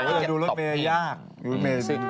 ร้วยมาให้ตบเฮม